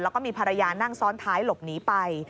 แล้วก็มีภรรยานั่งซ้อนท้ายหลบหนีไป